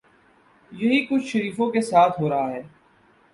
یہی کچھ شریفوں کے ساتھ ہو رہا ہے۔